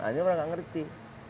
ini orang gak ngerti